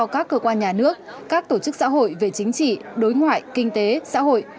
các cơ quan nhà nước các tổ chức xã hội về chính trị đối ngoại kinh tế xã hội